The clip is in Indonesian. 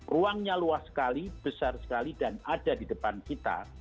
ruangnya luas sekali besar sekali dan ada di depan kita